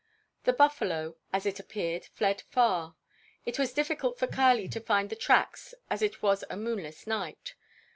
The buffalo, as it appeared, fled far. It was difficult for Kali to find the tracks as it was a moonless night.